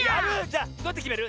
じゃあどうやってきめる？